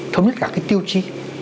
thống nhất cả tiêu chí